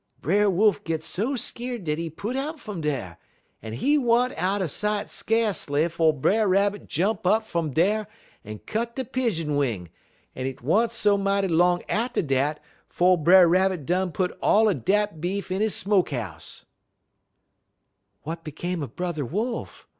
"Brer Wolf git so skeer'd dat he put out fum dar, un he wa'n't out er sight skacely 'fo' Brer Rabbit jump up fum dar un cut de pidjin wing, un 't wa'n't so mighty long atter dat 'fo' Brer Rabbit done put all er dat beef in his smoke house." "What became of Brother Wolf?"